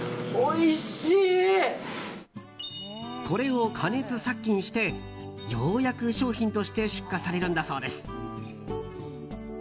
これを加熱殺菌してようやく商品として出荷されるんだそうです。